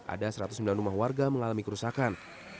ada satu ratus sembilan rumah warga mengalami kerusakan